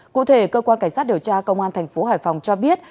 cụ thể cơ quan cảnh sát điều tra công an tp hcm cho biết